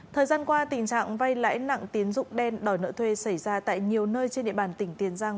thời gian qua tình trạng vay lãi nặng tiến dụng đen đòi nợ thuê xảy ra tại nhiều nơi trên địa bàn tỉnh tiền giang